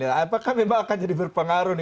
apakah memang akan jadi berpengaruh nih